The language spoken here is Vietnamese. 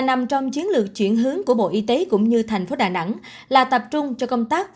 nằm trong chiến lược chuyển hướng của bộ y tế cũng như thành phố đà nẵng là tập trung cho công tác